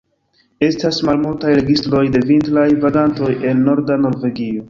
Estas malmultaj registroj de vintraj vagantoj en norda Norvegio.